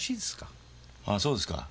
あぁそうですか。